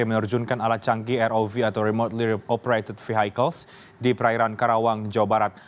menerjunkan alat canggih rov atau remote liar operated vehicles di perairan karawang jawa barat